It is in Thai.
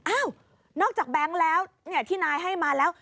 อ้าวนอกจากแบงค์แล้วที่นายให้มาแล้ว